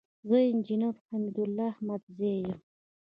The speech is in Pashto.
زه انجينر حميدالله احمدزى يم.